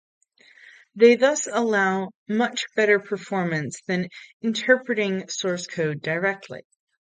They thus allow much better performance than interpreting source code directly.